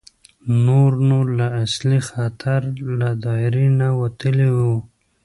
نور نو له اصلي خطر له دایرې نه وتلي وو.